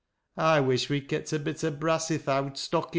I wish we'd kept a bit o' brass i' th owd stockin."